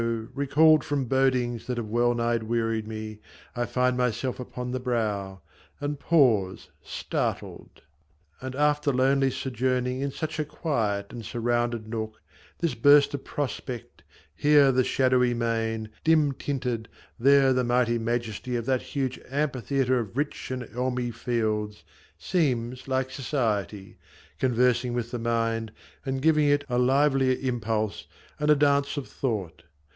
recalled From bodings that have well nigh wearied me, I find myself upon the brow, and pause Startled ! And after lonely sojourning In such a quiet and surrounded nook, This burst of prospect, here the shadowy main, Dim tinted, there the mighty majesty Of that huge amphitheatre of rich And elmy fields, seems like society Conversing with the mind, and giving it A livelier impulse and a dance of thought